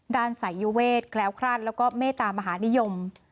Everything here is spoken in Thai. สายยูเวทแคล้วคลาดแล้วก็เมตามหานิยม